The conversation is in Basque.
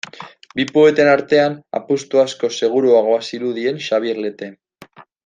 Bi poeten artean, apustu askoz seguruagoa zirudien Xabier Lete.